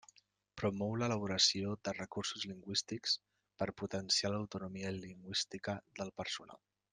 Promou l'elaboració de recursos lingüístics per potenciar l'autonomia lingüística del personal.